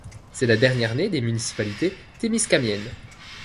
C'est la dernière-née des municipalités témiscamiennes.